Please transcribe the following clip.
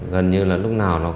gần như là lúc nào